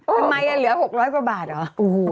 เหลือ๖๐๐กว่าบาทเหรอ